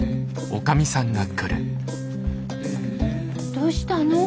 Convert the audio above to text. どうしたの？